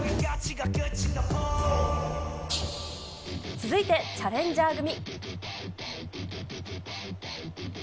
続いてチャレンジャー組。